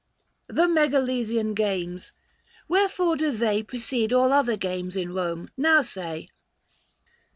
" The Megalesian games, wherefore do they 400 Precede all other games in Eome, now say